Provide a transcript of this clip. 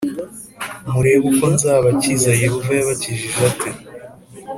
murebe uko nzabakiza Yehova yabakijije ate